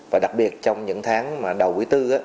và đặc biệt trong những tháng đầu quý bốn